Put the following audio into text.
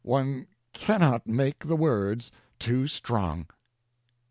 One cannot make the words too strong.